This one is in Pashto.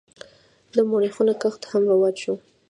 د مرخیړیو کښت هم رواج شوی.